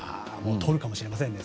とるかもしれませんね。